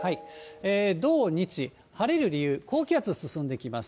土、日、晴れる理由、高気圧進んできます。